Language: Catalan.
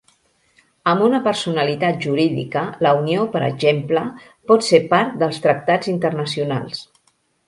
Amb una personalitat jurídica, la Unió, per exemple, pot ser part dels tractats internacionals.